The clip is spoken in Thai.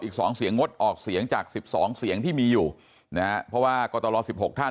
อีกสองเสียงงดออกเสียงจาก๑๒เสียงที่มีอยู่นะฮะเพราะว่ากรตล๑๖ท่าน